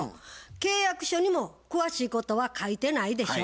契約書にも詳しいことは書いてないでしょ。